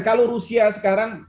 kalau rusia sekarang